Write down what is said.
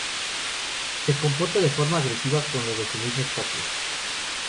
Se comporta de forma agresiva con los de su misma especie.